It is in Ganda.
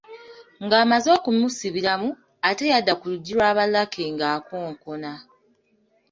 Ng’amaze okumusibiramu, ate yadda ku lujji lwa ba Lucky ng’akonkona.